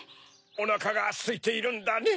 おなかがすいているんだね？